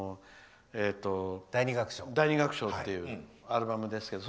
「第二楽章」っていうアルバムですけど。